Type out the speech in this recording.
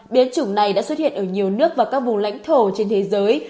biến chủng này đã xuất hiện ở nhiều nước và các vùng lãnh thổ trên thế giới